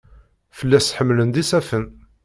Fell-as ḥemlen-d isafen.